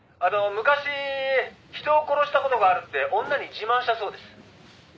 「昔人を殺した事があるって女に自慢したそうです」